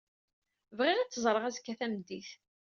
Bɣiɣ ad t-ẓreɣ azekka tameddit.